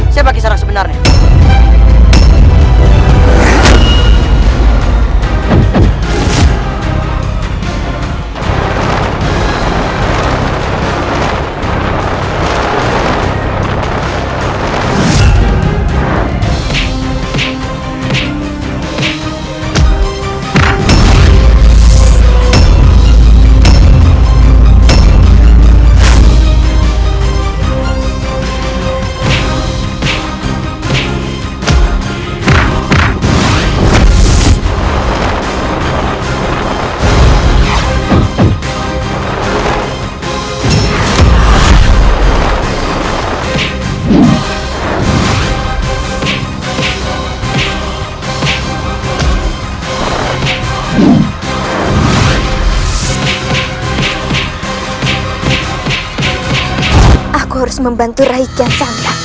siapa kisahnya sebenarnya